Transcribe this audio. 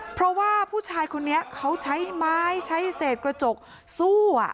เพราะว่าผู้ชายคนนี้เขาใช้ไม้ใช้เศษกระจกสู้